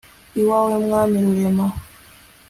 iwawe, mwami rurema